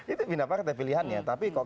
itu pindah partai pilihannya tapi kok